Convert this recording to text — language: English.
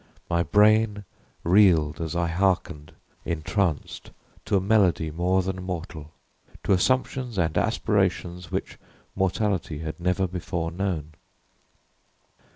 My brain reeled as I hearkened, entranced, to a melody more than mortal to assumptions and aspirations which mortality had never before known.